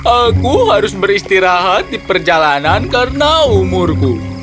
aku harus beristirahat di perjalanan karena umurku